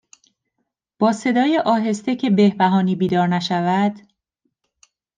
با صدای آهسته که بهبهانی بیدار نشود